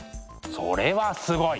それはすごい！